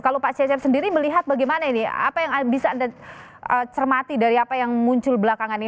kalau pak cecep sendiri melihat bagaimana ini apa yang bisa anda cermati dari apa yang muncul belakangan ini